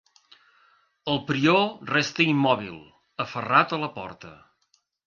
El prior resta immòbil, aferrat a la porta.